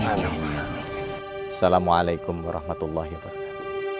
assalamualaikum warahmatullahi wabarakatuh